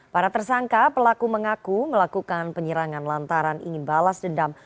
para tersangka pelaku mengaku melakukan penyerangan lantaran ingin balas dendam